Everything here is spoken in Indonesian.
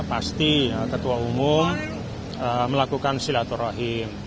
pasti ketua umum melakukan silaturahim